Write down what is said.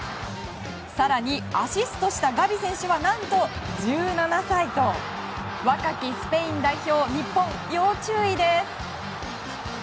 更に、アシストしたガビ選手は何と１７歳と若きスペイン代表日本、要注意です。